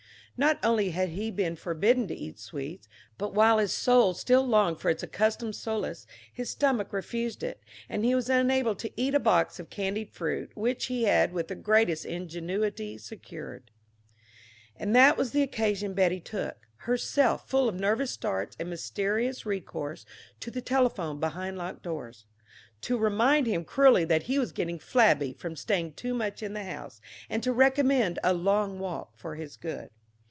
Not only had he been forbidden to eat sweets, but while his soul still longed for its accustomed solace, his stomach refused it, and he was unable to eat a box of candied fruit which he had with the greatest ingenuity secured. And that was the occasion Betty took herself full of nervous starts and mysterious recourse to the telephone behind locked doors to remind him cruelly that he was getting flabby from staying too much in the house and to recommend a long walk for his good.